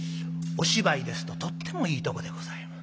お芝居ですととってもいいとこでございます。